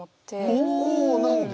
おお何で？